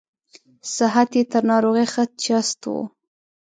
صحت یې تر ناروغۍ ښه چست و.